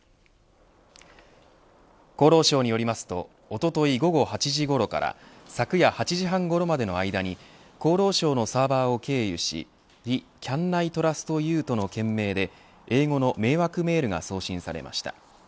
厚労省によりますとおととい午後８時ごろから昨夜８じ半ごろまでの間に厚労省のサーバーを経由しＲｅ：ＣａｎＩｔｒｕｓｔｙｏｕ？との件名で英語の迷惑メールが送信されました。